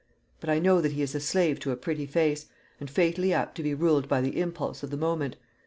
But I know that he is a slave to a pretty face, and fatally apt to be ruled by the impulse of the moment.